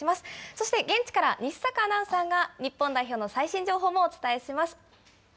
そして現地から、西阪アナウンサーが、日本代表の最新情報もお伝えします。